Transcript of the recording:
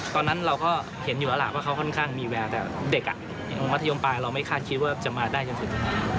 ตอนนั้นเราก็เห็นอยู่แล้วล่ะว่าเขาค่อนข้างมีแววแต่เด็กอย่างมัธยมปลายเราไม่คาดคิดว่าจะมาได้จนถึง